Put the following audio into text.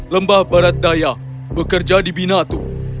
lembah barat daya bekerja di binatu